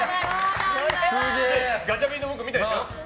ガチャピンとムック見たでしょ？